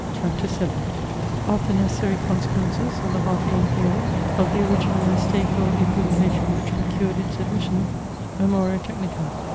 CHAPTER VII Of the necessary consequences of the Hartleian Theory Of the original mistake or equivocation which procured its admission Memoria technica.